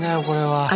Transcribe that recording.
これは。